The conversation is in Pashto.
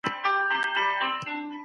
مدافع وکیلان بهر ته د سفر ازادي نه لري.